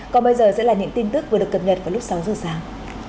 còn bây giờ sẽ là những tin tức vừa được cập nhật vào lúc sáu giờ sáng